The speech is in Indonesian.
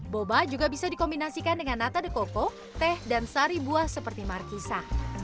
boba juga bisa dikombinasikan dengan nata de coco teh dan sari buah seperti markisa